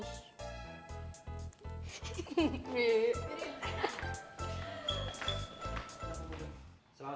selamat siang ada anak